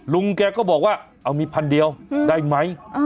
ลุงแกก็บอกว่าเอามีพันเดียวได้ไหม